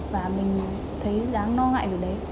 và mình thấy ráng lo ngại về đấy